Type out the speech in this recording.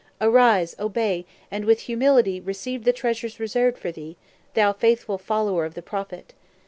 Arise! obey! and with humility receive the treasures reserved for thee, thou faithful follower of the Prophet!'